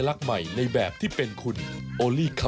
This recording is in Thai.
ว่าเขาเกิดอะไรกันขึ้น๒คนนี้ค่ะ